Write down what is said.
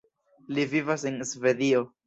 Li vivas en Svedio.